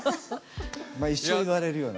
まっ一生言われるよな。